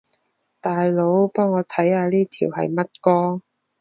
大佬，幫我看下呢條係乜歌